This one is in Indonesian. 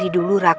aku mau ke kamar